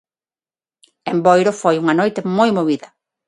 En Boiro foi unha noite moi movida.